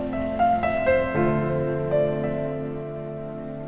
cuman perasaan gue aja sih